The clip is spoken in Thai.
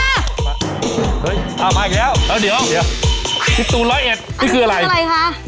เฮ้ยอ้าวมาอีกแล้วเออเดี๋ยวพี่ตูนร้อยเอ็ดนี่คืออะไรนี่คืออะไรค่ะ